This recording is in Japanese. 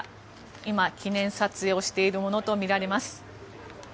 今、記念撮影をしているものとみられます。